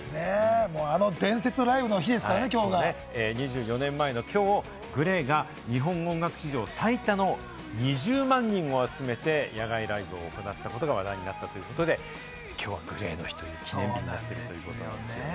あの伝説のライブの日ですか２４年前のきょう、ＧＬＡＹが日本音楽史上最多の２０万人を集めて野外ライブを行ったことが話題になったということで、きょうはＧＬＡＹの日ということで、記念日なんですね。